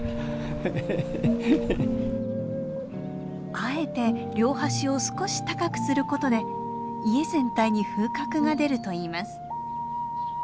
あえて両端を少し高くすることで家全体に風格が出るといいます。